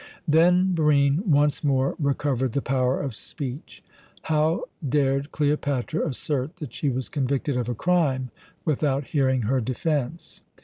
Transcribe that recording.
Then Barine once more recovered the power of speech. How dared Cleopatra assert that she was convicted of a crime, without hearing her defence?